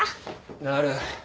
なる。